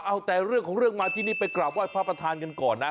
เอาแต่เรื่องของเรื่องมาที่นี่ไปกราบไห้พระประธานกันก่อนนะ